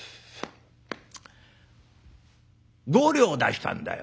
「５両出したんだよ。